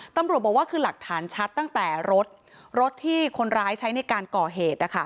ตำรวจบอกว่าคือหลักฐานชัดตั้งแต่รถรถที่คนร้ายใช้ในการก่อเหตุ